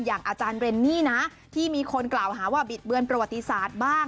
อย่างอาจารย์เรนนี่นะที่มีคนกล่าวหาว่าบิดเบือนประวัติศาสตร์บ้าง